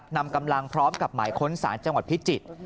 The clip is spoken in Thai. นำกำลังพร้อมกับหมายค้นศาลจังหวัดพิจิตร